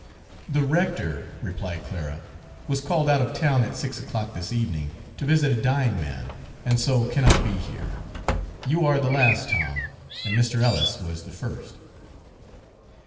"The rector," replied Clara, "was called out of town at six o'clock this evening, to visit a dying man, and so cannot be here. You are the last, Tom, and Mr. Ellis was the first."